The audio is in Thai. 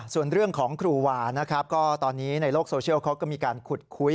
ส่วนเรื่องของครูหว่าในโลกโซเชียลก็มีการขุดคุย